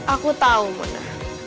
aku tau mona